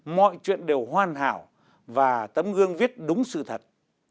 mọi chuyện đều hoàn hảo và tấm gương viết đúng sự thật